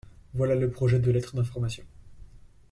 Voilà le projet de lettre d’information.